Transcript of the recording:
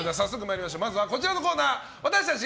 まずはこちらのコーナー私たち